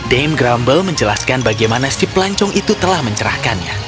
dame grumble menjelaskan bagaimana si pelancong itu telah mencerahkannya